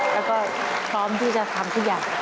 แล้วก็พร้อมที่จะทำทุกอย่าง